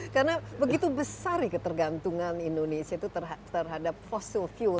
karena begitu besar ketergantungan indonesia terhadap fossil fuel